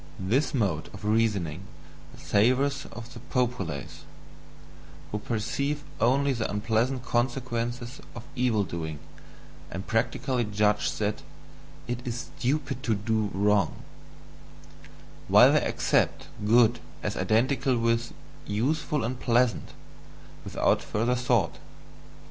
This mode of reasoning savours of the POPULACE, who perceive only the unpleasant consequences of evil doing, and practically judge that "it is STUPID to do wrong"; while they accept "good" as identical with "useful and pleasant," without further thought.